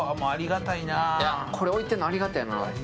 これ置いてんのありがたいな。